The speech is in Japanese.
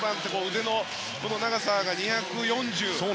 腕の長さが２４０。